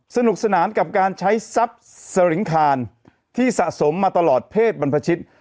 สนุกสนานกับการใช้ทรัพย์สริงคารที่สะสมมาตลอดเพศบรรพชิต